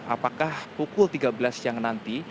apakah pukul tiga belas siang nanti